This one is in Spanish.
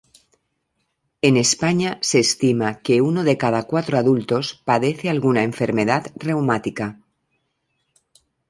En España se estima que uno de cada cuatro adultos padece alguna enfermedad reumática.